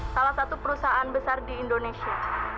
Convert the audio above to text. salah satu perusahaan besar di indonesia